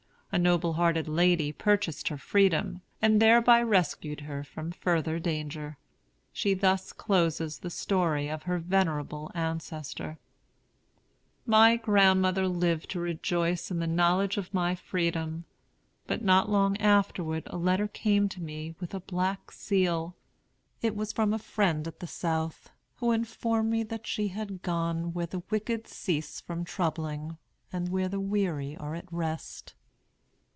A noble hearted lady purchased her freedom, and thereby rescued her from further danger. She thus closes the story of her venerable ancestor: ] "My grandmother lived to rejoice in the knowledge of my freedom; but not long afterward a letter came to me with a black seal. It was from a friend at the South, who informed me that she had gone 'where the wicked cease from troubling, and where the weary are at rest.'